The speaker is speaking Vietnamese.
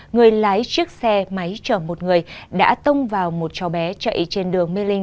người lái chiếc xe máy chở một người đã tông vào một cháu bé chạy trên đường mê linh